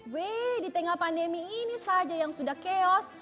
weh di tengah pandemi ini saja yang sudah chaos